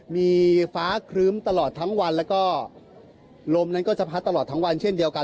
มีฟ้าครึ้มตลอดทั้งวันแล้วก็ลมนั้นก็จะพัดตลอดทั้งวันเช่นเดียวกัน